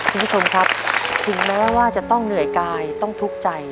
คุณผู้ชมครับถึงแม้ว่าจะต้องเหนื่อยกายต้องทุกข์ใจ